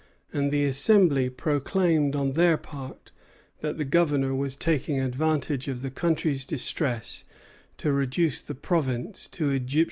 And the Assembly proclaimed on their part that the Governor was taking advantage of the country's distress to reduce the province to "Egyptian bondage."